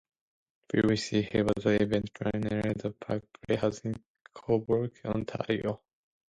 Previously he was the event planner for the Park Playhouse in Cobourg, Ontario.